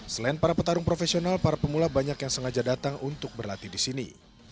selain para petarung profesional para pemula banyak yang sengaja datang untuk berlatih di sini